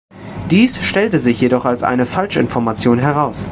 Dies stellte sich jedoch als eine Falschinformation heraus.